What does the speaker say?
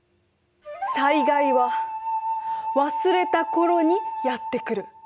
「災害は忘れた頃にやってくる」